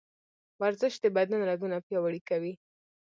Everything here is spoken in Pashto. ورزش د بدن رګونه پیاوړي کوي.